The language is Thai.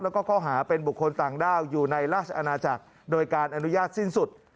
แล้วก็ข้อหาเป็นบุคคลต่างด้าวอยู่ในราชอาณาจักรโดยการอนุญาตสิ้นสุด